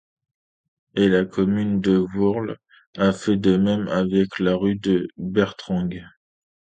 Et la commune de Vourles a fait de même avec la rue de Bertrange.